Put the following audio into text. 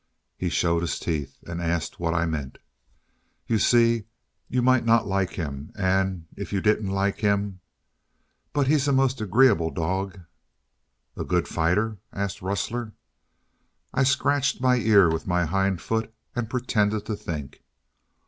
He showed his teeth, and asked what I meant. "You see, you might not like him; and, if you didn't like him but he's a most agreeable dog." "A good fighter?" asked Rustler. I scratched my ear with my hind foot, and pretended to think.